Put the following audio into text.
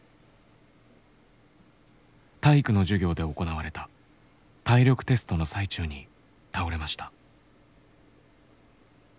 体育の授業で行われた体力テストの最中に倒れました。